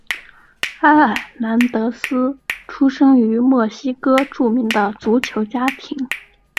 埃尔南德斯出生于墨西哥著名的足球家庭。